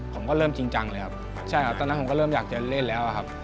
ผมก็เริ่มจริงจังเลยครับใช่ครับตอนนั้นผมก็เริ่มอยากจะเล่นแล้วครับ